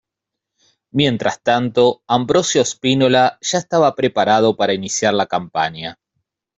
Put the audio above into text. Mientras tanto, Ambrosio Spínola ya estaba preparado para iniciar la campaña.